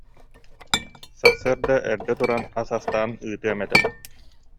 Сарсыарда эрдэ туран ас астаан ыытыам этэ